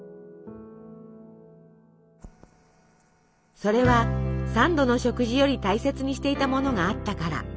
それは３度の食事より大切にしていたものがあったから。